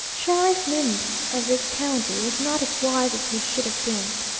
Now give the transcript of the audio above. Sheriff Ninde of this county was not as wise as he should have been.